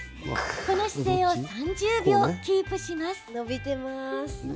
この姿勢を３０秒キープします。